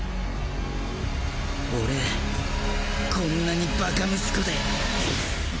俺こんなにバカ息子で！